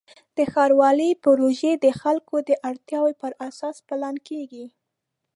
د ښاروالۍ پروژې د خلکو د اړتیاوو پر اساس پلان کېږي.